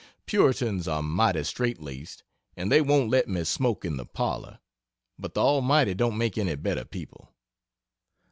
Puritans are mighty straight laced and they won't let me smoke in the parlor, but the Almighty don't make any better people.